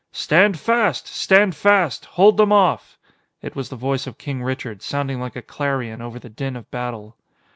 "Stand fast! Stand fast! Hold them off!" It was the voice of King Richard, sounding like a clarion over the din of battle.